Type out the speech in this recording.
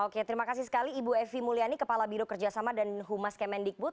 oke terima kasih sekali ibu evi mulyani kepala biro kerjasama dan humas kemendikbud